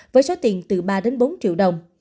với số tiền từ ba bốn triệu đồng